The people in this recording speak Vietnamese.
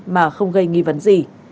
mà không gây nghi vấn gì